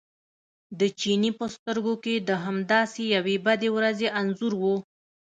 د چیني په سترګو کې د همداسې یوې بدې ورځې انځور و.